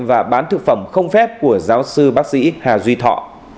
và bán thực phẩm không phép của giáo sư bác sĩ hà duy thọ